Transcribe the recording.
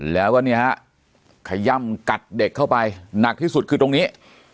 แล้วก็เนี่ยฮะขย่ำกัดเด็กเข้าไปหนักที่สุดคือตรงนี้